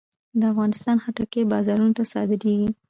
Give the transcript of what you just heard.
د افغانستان خټکی بازارونو ته صادرېږي.